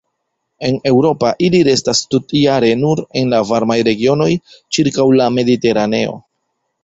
En Eŭropa ili restas tutjare nur en la varmaj regionoj ĉirkaŭ la Mediteraneo.